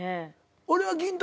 俺は『銀魂』